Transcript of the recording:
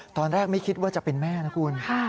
ตอนแรกไม่คิดว่าจะเป็นแม่นะคุณ